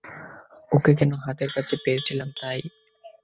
ওকে কেন হাতের কাছে পেয়েছিলাম তাই।